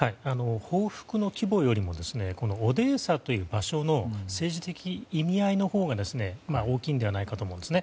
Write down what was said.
報復の規模よりもオデーサという場所の政治的意味合いのほうが大きいのではないかと思います。